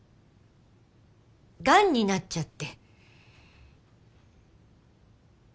がんになっちゃって。